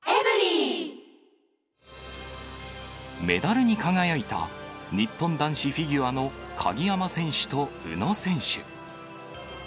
メダルに輝いた、日本男子フィギュアの鍵山選手と宇野選手。